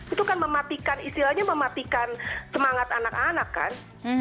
itu kan mematikan istilahnya mematikan semangat anak anak kan